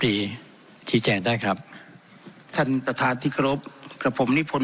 ชี้แจงได้ครับท่านประธานที่เคารพกับผมนิพนธ